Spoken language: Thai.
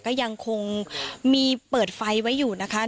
ก็ยังคงมีเปิดไฟไว้อยู่นะคะ